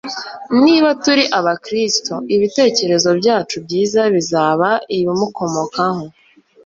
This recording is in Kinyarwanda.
Niba turi aba Kristo, ibitekerezo byacu byiza bizaba ibimukomokaho